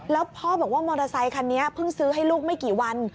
แล้วพ่อบอกว่ามอเตอร์ไซคันนี้เพิ่งซื้อให้ลูกไม่กี่วัน